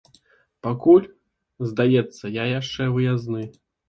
Пакуль, здаецца, я яшчэ выязны.